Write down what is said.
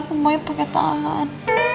aku mau pakai tangan